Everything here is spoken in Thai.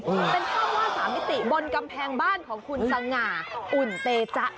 เป็น๒๐๒๑๓มิติบนกำแพงบ้านของคุณศังหาอุ่นเตจะ